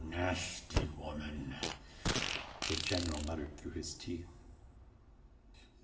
"Nasty woman," the general muttered through his teeth.